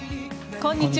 こんにちは。